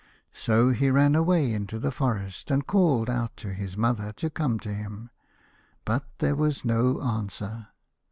So he ran away into the forest and called out to his mother to come to him, but there was no answer.